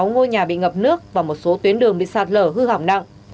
hai trăm năm mươi sáu ngôi nhà bị ngập nước và một số tuyến đường bị sạt lở hư hỏng nặng